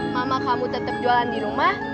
mama kamu tetap jualan di rumah